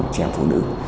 chị em phụ nữ